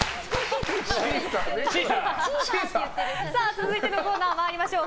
続いてのコーナー参りましょう。